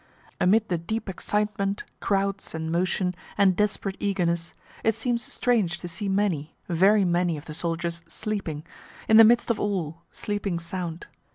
Amid the deep excitement, crowds and motion, and desperate eagerness, it seems strange to see many, very many, of the soldiers sleeping in the midst of all, sleeping sound.